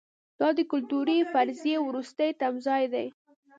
دا د کلتوري فرضیې وروستی تمځای دی.